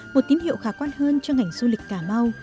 một tín hiệu khả quan hơn cho ngành du lịch cà mau